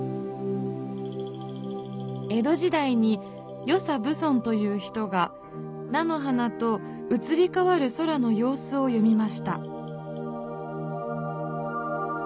江戸時代に与謝蕪村という人が菜の花とうつりかわる空のようすをよみました。